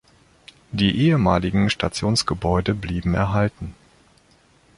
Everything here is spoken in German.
Die ehemaligen Stationsgebäude blieben erhalten.